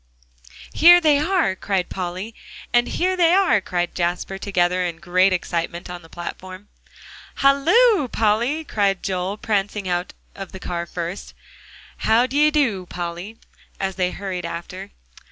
"Here they are!" cried Polly, and "Here they are!" cried Jasper, together, in great excitement, on the platform. "Halloo, Polly!" cried Joel, prancing out of the car first, and "How d'ye do, Polly?" as they all hurried after.